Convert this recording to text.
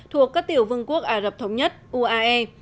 thuộc các tiểu vương quốc ả rập thống nhất uae